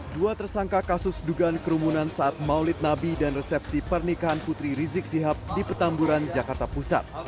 dua tersangka kasus dugaan kerumunan saat maulid nabi dan resepsi pernikahan putri rizik sihab di petamburan jakarta pusat